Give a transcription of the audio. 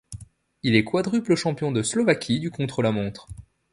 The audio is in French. Il est quadruple champion de Slovaquie du contre-la-montre.